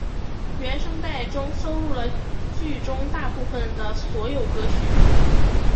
原声带中收录了剧中大部份的所有歌曲。